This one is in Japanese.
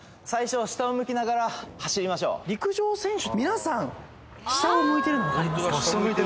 「えっと」「陸上選手って皆さん下を向いてるのわかりますか？」